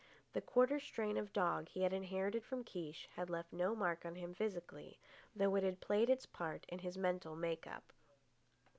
The quarter strain of dog he had inherited from Kiche had left no mark on him physically, though it had played its part in his mental make up.